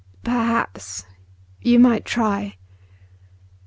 'Perhaps. You might try.